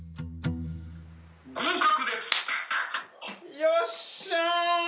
よっしゃー。